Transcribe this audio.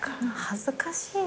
恥ずかしい。